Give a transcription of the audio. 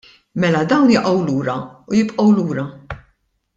Mela dawn jaqgħu lura u jibqgħu lura.